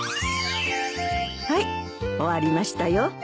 はい終わりましたよ。